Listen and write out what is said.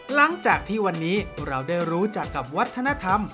หลังจากที่วันนี้เราได้รู้จักกับวัฒนธรรม